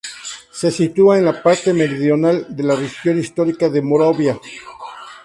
Se sitúa en la parte meridional de la región histórica de Moravia.